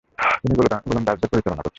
তিনি গোলন্দাজদের পরিচালনা করেছেন।